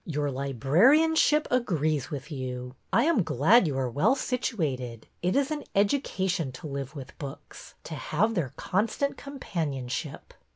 '' Your librarianship agrees with you. I am glad you are well situated. It is an education to live with books, to have their con stant companionship."